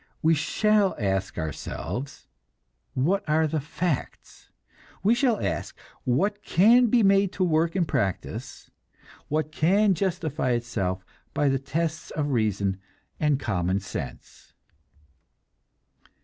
We shall ask ourselves, what are the facts. We shall ask, what can be made to work in practice, what can justify itself by the tests of reason and common sense.